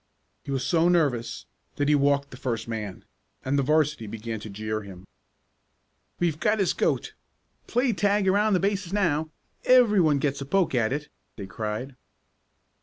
He was so nervous that he walked the first man, and the 'varsity began to jeer him. "We've got his goat! Play tag around the bases now! Everyone gets a poke at it!" they cried.